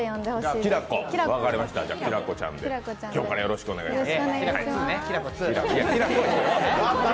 きらこちゃんで、よろしくお願いします。